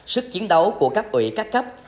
chức chiến đấu của các ủy các cấp